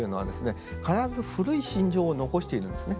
必ず古い心情を残しているんですね。